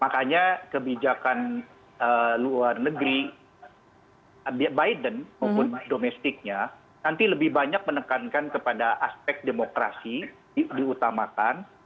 makanya kebijakan luar negeri biden maupun domestiknya nanti lebih banyak menekankan kepada aspek demokrasi diutamakan